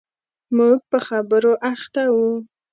موږ په خبرو اخته و.